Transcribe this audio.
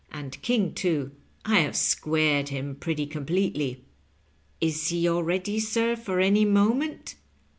And King, too, I have squared him pretty completely." "Is he all ready, sir, for any moment?